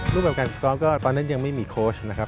รูปแบบการสตรองก็ตอนนั้นยังไม่มีโค้ชนะครับ